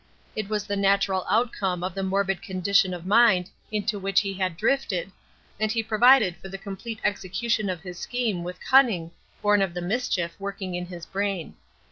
It was the natural outcome of the morbid condition of mind into which he had drifted, and he provided for the complete execution of his scheme with cunning born of the mischief working in his brain.